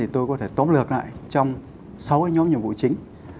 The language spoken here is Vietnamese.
tôi có thể tóm lược lại trong sáu nhóm nhiệm vụ chính